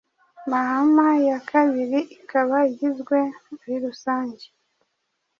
Mahama ya kabiri. Ikaba igizwe muri rusangi